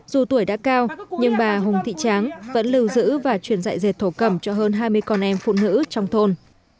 dù tuổi đã cao nhưng bà hùng thị tráng vẫn lưu giữ và truyền dạy dệt thổ cẩm cho hơn hai mươi con em phụ nữ trong thôn